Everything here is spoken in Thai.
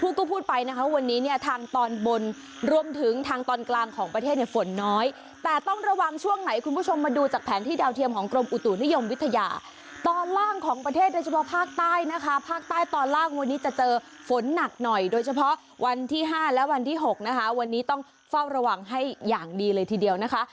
พูดก็พูดไปนะคะวันนี้เนี่ยทางตอนบนรวมถึงทางตอนกลางของประเทศเนี่ยฝนน้อยแต่ต้องระวังช่วงไหนคุณผู้ชมมาดูจากแผนที่ดาวเทียมของกรมอุตุนิยมวิทยาตอนล่างของประเทศโดยเฉพาะภาคใต้นะคะภาคใต้ตอนล่างวันนี้จะเจอฝนหนักหน่อยโดยเฉพาะวันที่๕และวันที่๖นะคะวันนี้ต้องเฝ้าระวังให้อย่างดีเลยทีเดียวนะคะ